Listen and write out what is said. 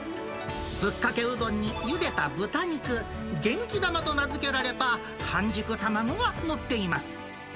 ぶっかけうどんにゆでた豚肉、元気玉と名付けられた半熟卵が載っています。